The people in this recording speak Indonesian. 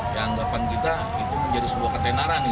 ya anggapan kita itu menjadi sebuah ketenaran